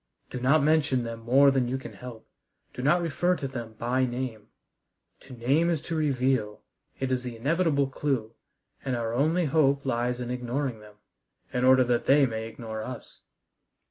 "Do not mention them more than you can help. Do not refer to them by name. To name is to reveal: it is the inevitable clue, and our only hope lies in ignoring them, in order that they may ignore us."